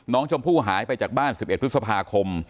น้องชมพู่หายไปจากบ้าน๑๑พฤษภาคม